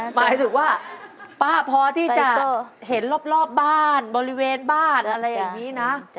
หมายถึงว่าป้าพอที่จะเห็นรอบบ้านบริเวณบ้านอะไรอย่างนี้นะ